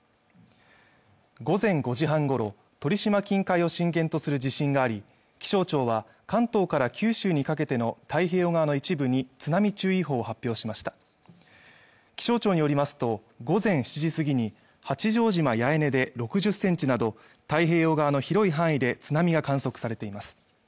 午前５時半ごろ鳥島近海を震源とする地震があり気象庁は関東から九州にかけての太平洋側の一部に津波注意報を発表しました気象庁によりますと午前７時過ぎに八丈島八重根で６０ｃｍなど太平洋側の広い範囲で津波が観測されています